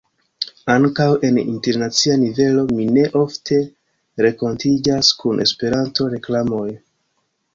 Ankaŭ en internacia nivelo mi ne ofte renkontiĝas kun Esperanto-reklamoj.